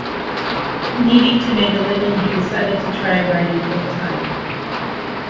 Needing to make a living, he decided to try writing full-time.